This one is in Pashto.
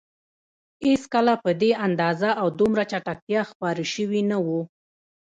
هېڅکله په دې اندازه او دومره چټکتیا خپاره شوي نه وو.